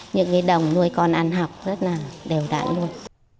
những cái đồng nuôi con ăn học rất là đều đạn luôn